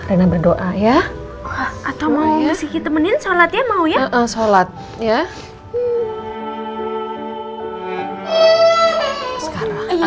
rena berdoa ya atau mau temenin sholat ya mau ya sholat ya